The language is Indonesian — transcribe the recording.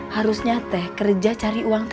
harusnya teh kerja cari uang